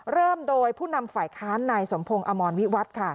เริ่มโดยผู้นำฝ่ายค้านนายสมพงศ์อมรวิวัฒน์ค่ะ